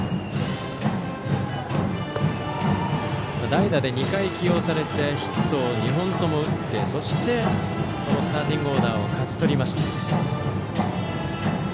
代打で２回、起用されてヒットを２本とも打ってそしてスターティングオーダーを勝ち取りました。